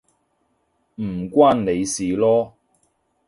唔關你事囉